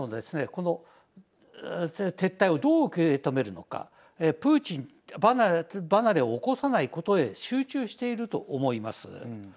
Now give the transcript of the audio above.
この撤退をどう受け止めるのかプーチン離れを起こさないことへ集中していると思います。